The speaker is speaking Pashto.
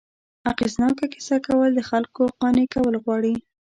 اغېزناکه کیسه کول، د خلکو قانع کول غواړي.